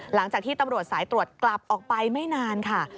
หลังจากที่ตำรวจสายตรวจกลับออกไปไม่นานค่ะ